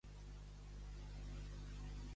El meu cap em va aixafar el parasol